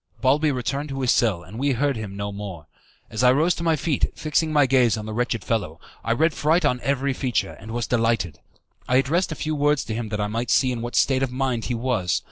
Balbi returned to his cell, and we heard him no more. As I rose to my feet, fixing my gaze on the wretched fellow, I read fright on every feature, and was delighted. I addressed a few words to him that I might see in what state of mind he was.